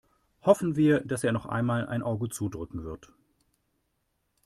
Hoffen wir, dass er nochmal ein Auge zudrücken wird.